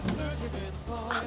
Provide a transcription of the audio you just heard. あっ。